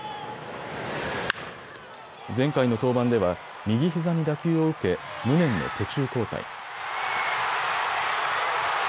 前回の登板では右ひざに打球を受け、無念の途中交代。